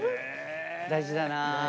大事だな。